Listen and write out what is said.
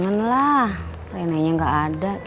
apa breda ya